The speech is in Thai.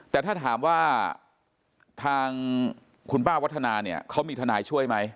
แต่ถ้าถามว่าทางคุณป้าวัฒนาเนี่ยเขามีทนายช่วยไหม